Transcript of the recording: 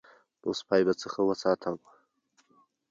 نو سپی به څه ښه وساتم.